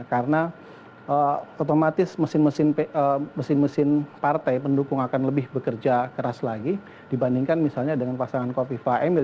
karena otomatis mesin mesin partai pendukung akan lebih bekerja keras lagi dibandingkan misalnya dengan pasangan kofifa emil